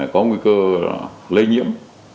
có nguy cơ lây nhiễm